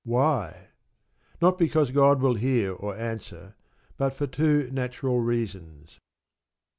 Why? Not because God will hear, or answer, but for two natural reasons.